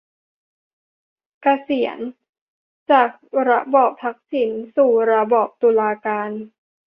เกษียร : จากระบอบทักษิณสู่ระบอบตุลาการ